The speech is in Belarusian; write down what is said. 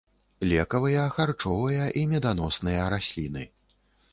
Лекавыя, харчовыя і меданосныя расліны.